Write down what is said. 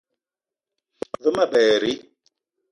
Ve ma berri